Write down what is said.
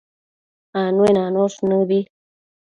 Anuenanosh nëbi